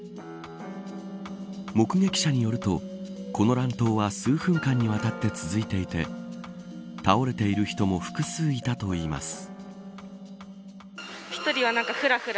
目撃者によるとこの乱闘は数分間にわたって続いていて倒れている人も複数いたといいます。